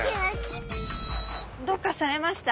どうかされました？